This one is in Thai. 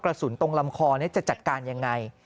กระสุนตรงลำคอจะจัดการยังไง